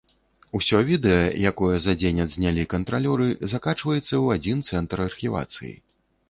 Усё відэа, якое за дзень адзнялі кантралёры, закачваецца у адзін цэнтр архівацыі.